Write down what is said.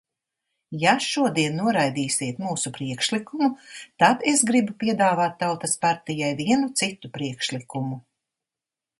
Ja šodien noraidīsiet mūsu priekšlikumu, tad es gribu piedāvāt Tautas partijai vienu citu priekšlikumu.